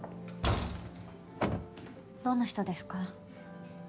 どんな人ですか？